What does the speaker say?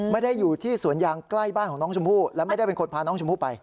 ไม่ได้อยู่ที่สวนยางใกล้บ้านของน้องชมพู่และไม่ได้เป็นคนพาน้องชมพู่ไป